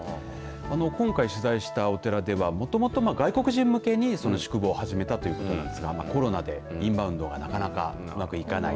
今回、取材したお寺ではもともと外国人向けに宿坊を始めたということなんですがコロナ禍でインバウンドがなかなかうまくいかない。